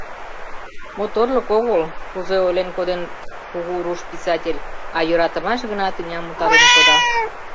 Моторлык огыл, кузе ойлен коден кугу руш писатель, а йӧратымаш гына тӱням утарен кода.